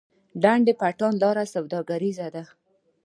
ډنډ پټان لاره سوداګریزه ده؟